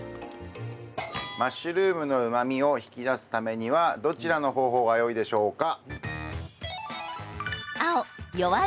マッシュルームのうまみを引き出すためにはどちらの方法がよいでしょうか？